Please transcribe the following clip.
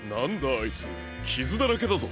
あいつきずだらけだぞ。